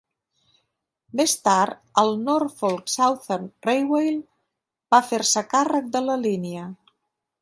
Més tard, el Norfolk Southern Railway va fer-se càrrec de la línia.